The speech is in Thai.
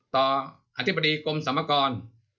ต่ออธิบดีกรมสมกร